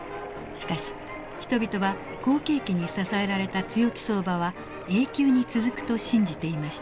しかし人々は好景気に支えられた強気相場は永久に続くと信じていました。